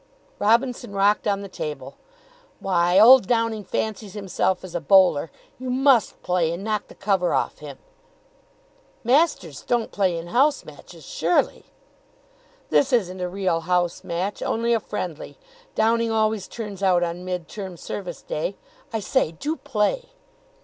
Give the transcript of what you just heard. Robinson rocked on the table. "Why, old Downing fancies himself as a bowler. You must play, and knock the cover off him." "Masters don't play in house matches, surely?" "This isn't a real house match. Only a friendly. Downing always turns out on Mid term Service day. I say, do play."